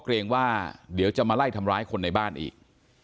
ร้ายคนในบ้านอีก